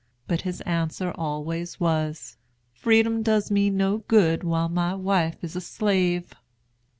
But his answer always was, "Freedom does me no good while my wife is a slave."